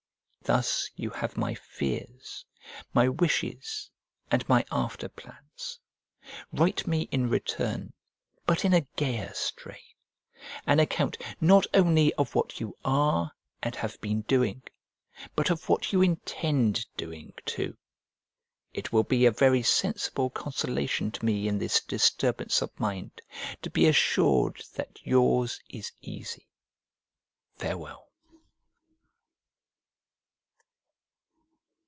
Thus you have my fears, my wishes, and my after plans. Write me in return, but in a gayer strain, an account not only of what you are and have been doing, but of what you intend doing too. It will be a very sensible consolation to me in this disturbance of mind, to be assured that yours is easy. Farewell.